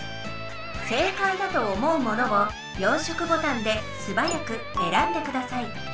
正解だと思うものを４色ボタンですばやくえらんでください。